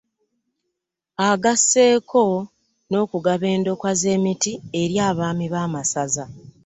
Agasseeko n'okugaba endokwa z'emiti eri abaami b'amasaza